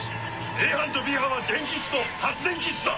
Ａ班とＢ班は電気室と発電気室だ！